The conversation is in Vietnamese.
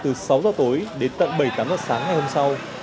từ sáu giờ tối đến tận bảy tám giờ sáng ngày hôm sau